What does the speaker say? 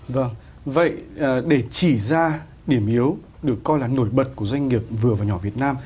vâng vậy để chỉ ra điểm yếu được coi là nổi bật của doanh nghiệp vừa và nhỏ việt nam